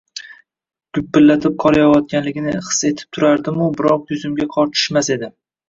Gupillatib qor yog‘ayotganini his etib turardimu, biroq yuzimga qor tushmas edi.